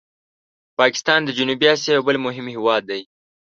پاکستان د جنوبي آسیا یو بل مهم هېواد دی.